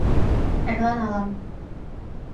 Эрла налам.